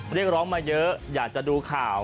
เรียกร้องมาเยอะอยากจะดูข่าว